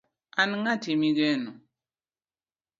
an ng'ati migeno